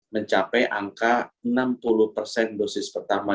mencapai angka enam puluh persen dosis pertama